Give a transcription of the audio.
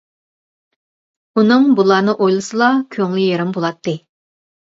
ئۇنىڭ بۇلارنى ئويلىسىلا كۆڭلى يېرىم بولاتتى.